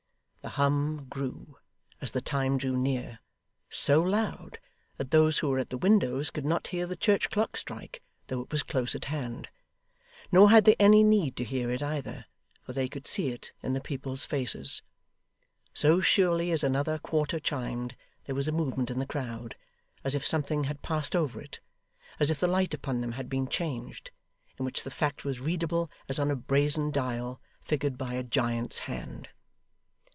The hum grew, as the time drew near, so loud, that those who were at the windows could not hear the church clock strike, though it was close at hand. Nor had they any need to hear it, either, for they could see it in the people's faces. So surely as another quarter chimed, there was a movement in the crowd as if something had passed over it as if the light upon them had been changed in which the fact was readable as on a brazen dial, figured by a giant's hand.